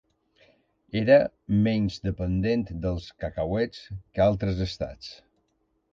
Era menys dependent dels cacauets que altres Estats.